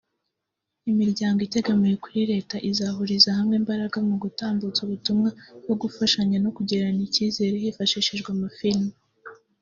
imiryango itegamiye kuri Leta; izahuriza hamwe imbaraga mu gutambutsa ubutumwa bwo gufashanya no kugirirana icyizere; hifashishijwe amafilimi